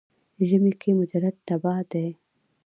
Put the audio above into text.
ژمي کې مجرد تبا دی.